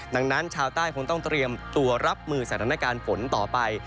ดังนั้นชาวใต้คงต้องเตรียมตัวรับมือสถานการณ์ฝนต่อไป